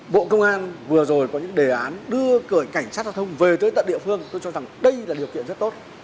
bộ công an vừa rồi có những đề án đưa cảnh sát giao thông về tới tận địa phương tôi cho rằng đây là điều kiện rất tốt